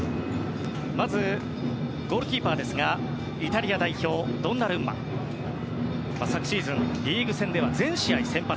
まずゴールキーパーですがイタリア代表、ドンナルンマ。昨シーズンリーグ戦で全試合先発。